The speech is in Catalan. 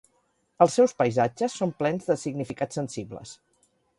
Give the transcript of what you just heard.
Els seus paisatges són plens de significats sensibles.